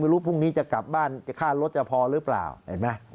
รู้พรุ่งนี้จะกลับบ้านค่ารถจะพอหรือเปล่าเห็นไหม